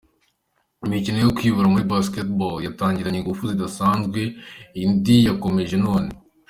Imikino yo kwibuka muri Basketball yatangiranye ingufu zidasanzwe, indi yakomeje none.